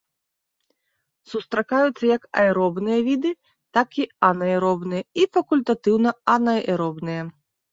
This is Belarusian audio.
Сустракаюцца як аэробныя віды, так і анаэробныя і факультатыўна-анаэробныя.